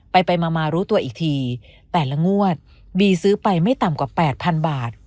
ไปไปมารู้ตัวอีกทีแต่ละงวดบีซื้อไปไม่ต่ำกว่า๘๐๐๐บาท